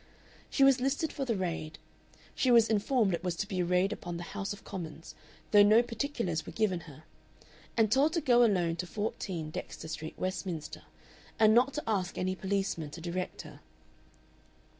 She was listed for the raid she was informed it was to be a raid upon the House of Commons, though no particulars were given her and told to go alone to 14, Dexter Street, Westminster, and not to ask any policeman to direct her.